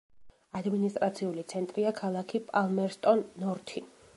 ადმინისტრაციული ცენტრია ქალაქი პალმერსტონ-ნორთი.